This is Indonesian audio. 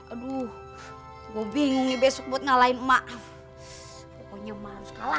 aduh ngomong besok buat ngalahin emak pokoknya manskala